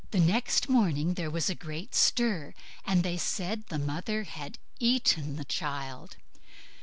Next morning there was a great stir, and they said the mother had eaten the child.